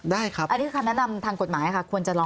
ได้ครับคือคำแนะนำทางกฎหมายค่ะควรจะลองไหม